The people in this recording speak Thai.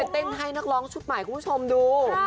เต้นให้นักร้องชุดใหม่คุณผู้ชมดู